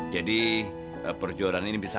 jadi perjuaraan ini bisa